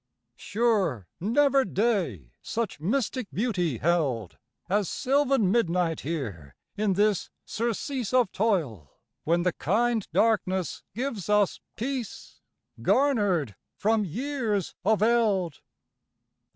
Sure never day such mystic beauty held As sylvan midnight here in this surcease Of toil, when the kind darkness gives us peace Garnered from years of eld.